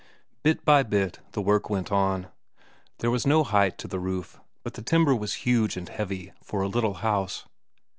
Bit by bit the work went on; there was no great height to the roof, but the timber was huge and heavy for a little house.